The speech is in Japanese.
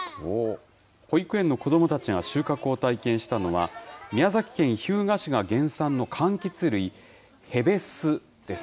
保育園の子どもたちが収穫を体験したのは、宮崎県日向市が原産のかんきつ類、へべすです。